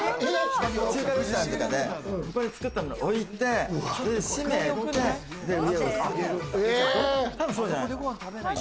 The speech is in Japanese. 中華レストランとかで、ここで作ったものを置いて閉めて、上を押す。